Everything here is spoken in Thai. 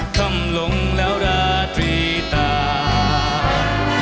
คำลงแล้วราตรีตาม